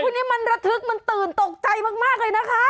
วันนี้มันระทึกมันตื่นตกใจมากเลยนะคะ